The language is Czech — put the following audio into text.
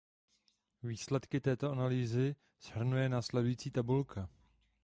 Výsledky této analýzy shrnuje následující tabulka.